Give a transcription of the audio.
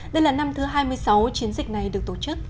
đây là năm thứ hai mươi sáu chiến dịch này được tổ chức